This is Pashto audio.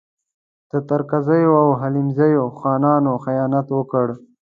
د ترکزیو او حلیمزیو خانانو خیانت وکړ.